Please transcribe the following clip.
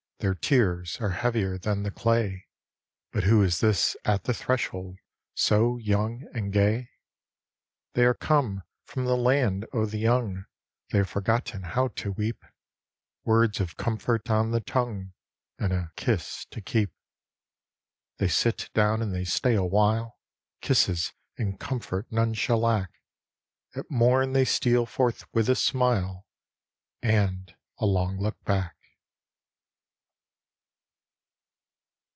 Their tears arc heavier than the clay. But who is this at the threshold ' So young and gay? They are come from the land o' the young, They have forgotten how to weep; Words of comfort on the tongue, And a kiss to keep. They sit down and they stay awhile, Kisses and comfort none shall lack; At mom they steal forth with a smile And a long look back.